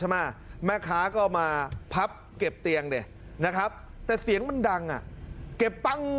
แม่ค้าก็มาพับเก็บเตียงนะครับแต่เสียงมันดัง